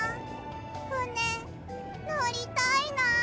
ふねのりたいなあ。